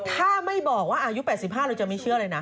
ถ้าไม่บอกว่าอายุ๘๕เราจะไม่เชื่อเลยนะ